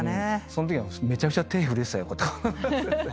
そんときめちゃくちゃ手震えてたよ。